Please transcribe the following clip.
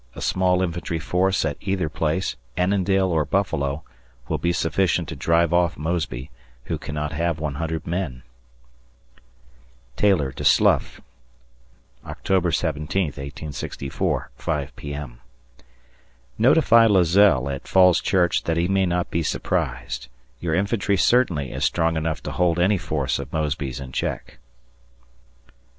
A small infantry force at either place, Annandale or Buffalo, will be sufficient to drive off Mosby, who cannot have 100 men. [Taylor to Slough] October 17th, 1864, 5 P.M. Notify Lazelle at Fall's Church that he may not be surprised. Your infantry certainly is strong enough to hold any force of Mosby's in check.